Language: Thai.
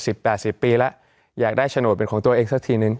อยากด้ายฉโนดเป็นตัวสิ้นของของตัวเองสักทีนึง